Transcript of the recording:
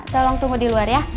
tolong tunggu di luar ya